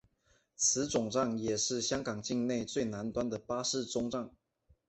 此总站也是香港境内最南端的巴士终站。